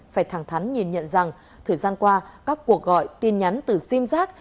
phải thẳng thắn nhìn nhận rằng thời gian qua các cuộc gọi tin nhắn từ sim giác